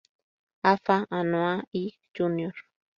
Afa Anoa'i, Jr.